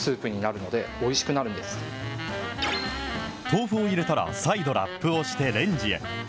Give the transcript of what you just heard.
豆腐を入れたら再度、ラップをしてレンジへ。